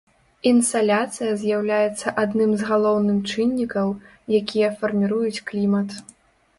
Інсаляцыя з'яўляецца адным з галоўных чыннікаў, якія фарміруюць клімат.